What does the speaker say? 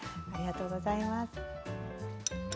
ありがとうございます。